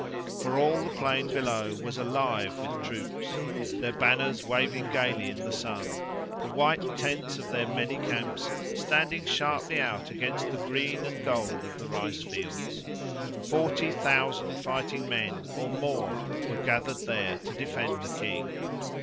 For all the plain below was alive with troops, their banners waving gaily in the sun, the white tents of their many camps standing sharply out against the green and gold of the ricefields. Forty thousand fighting men or more were gathered there to defend the king.